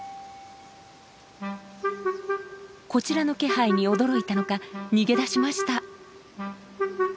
こちらの気配に驚いたのか逃げ出しました！